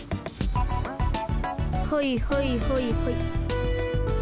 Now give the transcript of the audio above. ほいほいほいほい。